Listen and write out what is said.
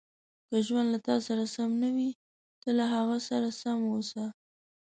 • که ژوند له تا سره سم نه وي، ته له هغه سره سم اوسه.